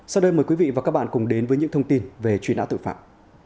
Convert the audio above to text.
sau đây mời quý vị và các bạn cùng đến với những thông tin về truy nã tội phạm